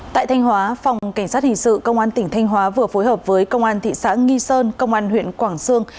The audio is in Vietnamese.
tại thanh hóa phòng cảnh sát hình sự công an tỉnh thanh hóa vừa phối hợp với công an thị xã nghi sơn công an huyện quảng sương